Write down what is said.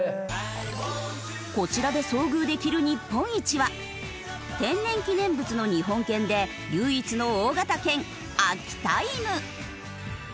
こちらで遭遇できる日本一は天然記念物の日本犬で唯一の大型犬秋田犬。